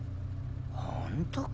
本当かな。